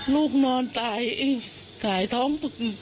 ลูกนอนตายหิ้งสายท้อง